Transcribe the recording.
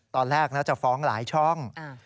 ตอนแรกจะฟ้องหลายช่อง